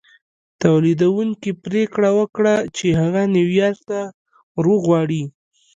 توليدوونکي پرېکړه وکړه چې هغه نيويارک ته ور وغواړي.